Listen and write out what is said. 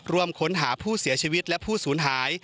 ร่วมค้นหาผู้เสียชีวิตและผู้สูญหาย